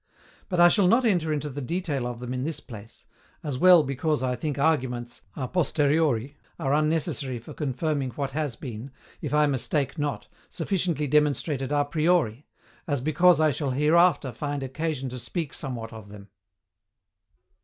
But I shall not enter into the detail of them in this place, as well because I think arguments A POSTERIORI are unnecessary for confirming what has been, if I mistake not, sufficiently demonstrated A PRIORI, as because I shall hereafter find occasion to speak somewhat of them.